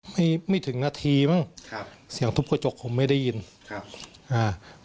ไม่ไม่ถึงนาทีมั้งครับเสียงทุบกระจกคงไม่ได้ยินครับอ่า